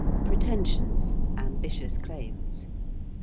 ~Pretensions~: ambitious claims.